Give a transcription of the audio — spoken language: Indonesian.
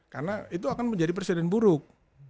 karena itu akan menjadi persediaan buruk